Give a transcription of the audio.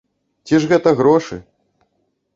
Ці ж гэта грошы?